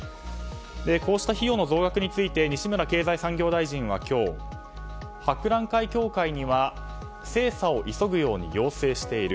こうした費用の増額について西村経済産業大臣は今日、博覧会協会には精査を急ぐよう要請している。